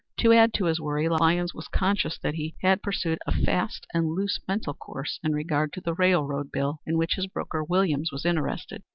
To add to his worry, Lyons was conscious that he had pursued a fast and loose mental coarse in regard to the railroad bill in which his broker, Williams, was interested.